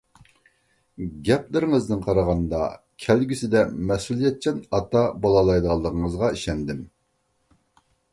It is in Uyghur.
گەپلىرىڭىزدىن قارىغاندا كەلگۈسىدە مەسئۇلىيەتچان ئاتا بولالايدىغانلىقىڭىزغا ئىشەندىم.